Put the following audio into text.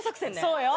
そうよ。